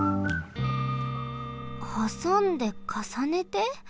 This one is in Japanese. はさんでかさねて？